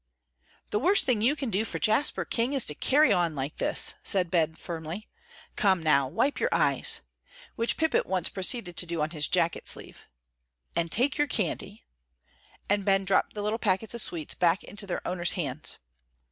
"The worst thing you can do for Jasper King is to carry on like this," said Ben, firmly. "Come, now, wipe your eyes," which Pip at once proceeded to do on his jacket sleeve, "and take your candy," and Ben dropped the little packets of sweets back into their owner's hands.